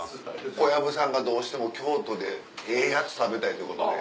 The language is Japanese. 小籔さんがどうしても京都でええやつ食べたいっていうことで。